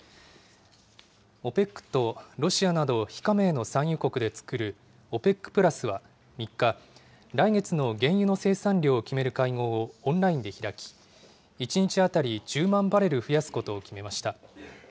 ＯＰＥＣとロシアなど非加盟の産油国で作るＯＰＥＣプラスは３日、来月の原油の生産量を決める会合をオンラインで開き、１日当たり１０万バレル増やすことを決めました。